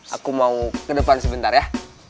aku mau ke depan sebentar ya